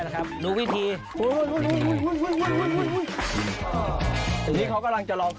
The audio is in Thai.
ใครขึ้นก่อนเขามาให้อยู่